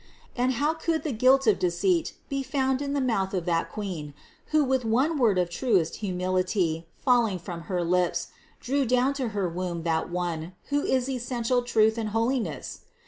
And how could the guilt of deceit be found in the mouth of that Lady, who with one word of truest humility falling from her lips drew down to her womb that One, who is essential truth and holiness?